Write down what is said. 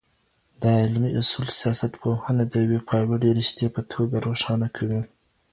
دا علمي اصول سياستپوهنه د يوې پياوړې رشتې په توګه روښانه کوي.